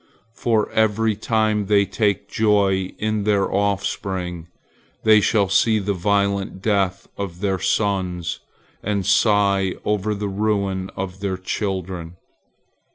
For every time they take joy in their offspring, they shall see the violent death of their sons, and sigh over the ruin of their children.